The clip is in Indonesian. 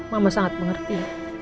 mama sangat mengerti